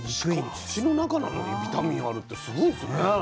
しかも土の中なのにビタミンあるってすごいですね。